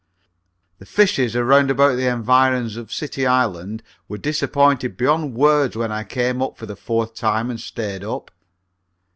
The fishes around about the environs of City Island were disappointed beyond words when I came up for the fourth time and stayed up.